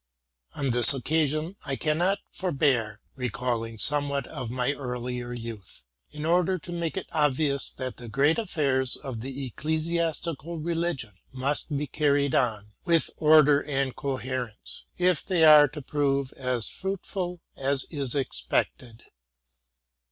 On this occasion I cannot forbear recalling somewhat of my earlier youth, in order to make it obvious that the great affairs of the ecclesiastical religion must be carried on with order and coherence, if they are to prove as fruitful as is expected.